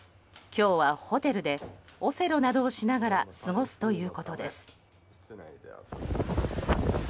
今日はホテルでオセロなどをしながら過ごすということです。